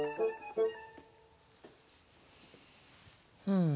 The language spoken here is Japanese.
うん。